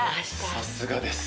さすがです。